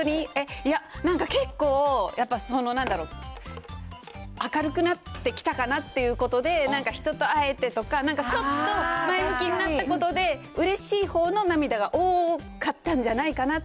いや、なんか結構、やっぱそのなんだろう、明るくなってきたかなっていうことで、なんか、人と会えてとか、なんかちょっと前向きになったことで、うれしいほうの涙が多かったんじゃないかなって。